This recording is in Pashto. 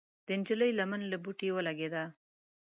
د نجلۍ لمن له بوټي ولګېده.